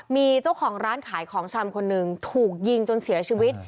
มีเจ้าของร้านขายของชำคนหนึ่งถูกยิงจนเสียชีวิต